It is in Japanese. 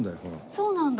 そうなんだ